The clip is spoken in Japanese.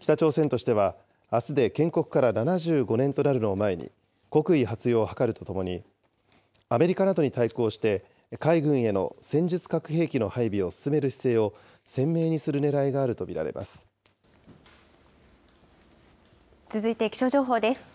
北朝鮮としては、あすで建国から７５年となるのを前に、国威発揚を図るとともに、アメリカなどに対抗して、海軍への戦術核兵器の配備を進める姿勢を鮮明にするねらいがある続いて気象情報です。